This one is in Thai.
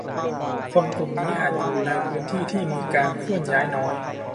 - คนกลุ่มนี้อาจอยู่ในพื้นที่ที่มีการเคลื่อนย้ายน้อย